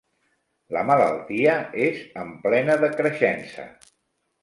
La malaltia és en plena decreixença.